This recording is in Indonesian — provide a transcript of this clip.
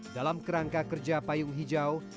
dalam kerangka kerja payung hijau